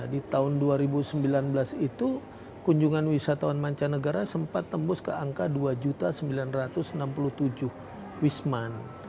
di tahun dua ribu sembilan belas itu kunjungan wisatawan mancanegara sempat tembus ke angka dua sembilan ratus enam puluh tujuh wisman